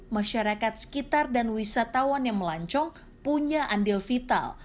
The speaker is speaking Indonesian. masyarakat sekitar dan wisatawan yang melancong punya andil vital